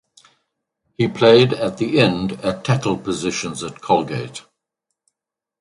He played at the end at tackle positions at Colgate.